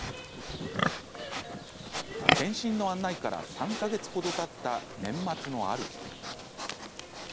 健診の案内から３か月ほどたった年末のある日。